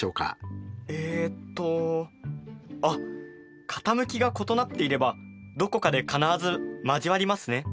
えっとあっ傾きが異なっていればどこかで必ず交わりますね。